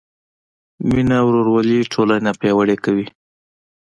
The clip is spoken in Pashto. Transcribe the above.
مینه او ورورولي ټولنه پیاوړې کوي.